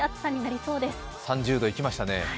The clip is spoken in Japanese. ３０度いきましたね。